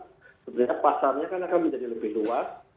sebenarnya pasarnya kan akan menjadi lebih luas